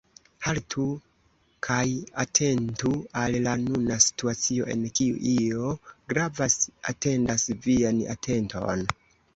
Haltu kaj atentu al la nuna situacio, en kiu io grava atendas vian atenton.